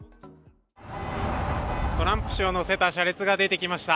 トランプ氏を乗せた車列が出てきました。